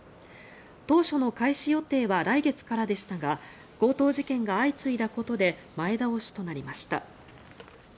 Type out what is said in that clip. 当初の開始予定は来月からでしたが強盗事件が相次いだことで前倒しとなりました。